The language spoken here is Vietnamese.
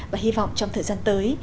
và hy vọng trong thời gian tới